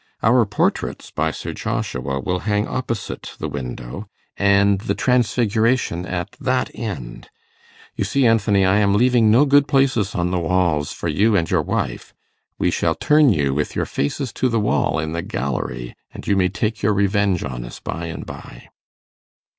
Our portraits, by Sir Joshua, will hang opposite the window, and the "Transfiguration" at that end. You see, Anthony, I am leaving no good places on the walls for you and your wife. We shall turn you with your faces to the wall in the gallery, and you may take your revenge on us by and by.